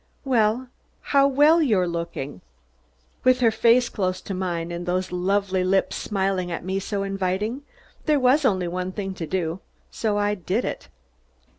"'How how well you're looking.'" With her face so close to mine and those lovely lips smiling at me so invitingly, there was only one thing to do, so I did it.